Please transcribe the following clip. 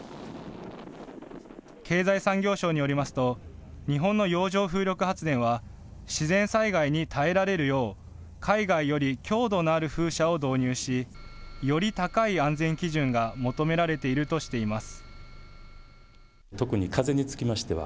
経済産業省によりますと日本の洋上風力発電は自然災害に耐えられるよう海外より強度のある風車を導入しより高い安全基準が求められているとしています。